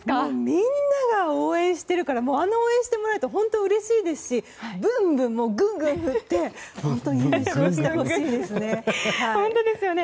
みんなが応援しているからあんなに応援してもらえると本当にうれしいですしブンブン、グングン振って活躍してほしいですね。